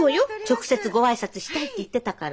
直接ご挨拶したいって言ってたから。